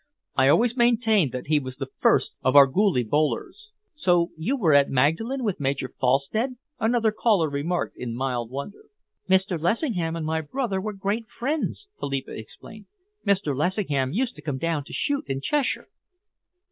I always maintained that he was the first of our googlie bowlers." "So you were at Magdalen with Major Felstead?" another caller remarked in mild wonder. "Mr. Lessingham and my brother were great friends," Philippa explained. "Mr. Lessingham used to come down to shoot in Cheshire."